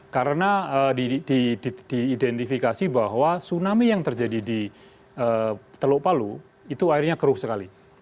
karena diidentifikasi bahwa tsunami yang terjadi di teluk palu itu airnya keruh sekali